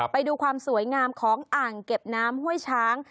ไปดูความสวยงามของอ่างเก็บน้ำห้วยช้าง